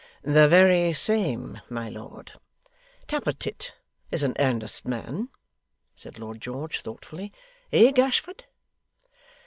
'The very same, my lord.' 'Tappertit is an earnest man,' said Lord George, thoughtfully. 'Eh, Gashford?